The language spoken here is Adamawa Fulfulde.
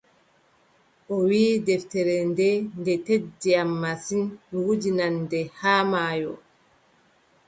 O wiʼi: deftere nde, nde teddi am masin mi wudinan nde haa maayo.